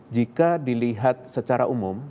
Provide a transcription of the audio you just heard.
jika dilihat secara umum